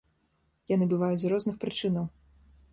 Яны бываюць з розных прычынаў.